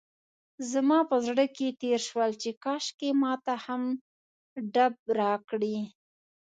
زما په زړه کې تېر شول چې کاشکې ماته هم ډب راکړي.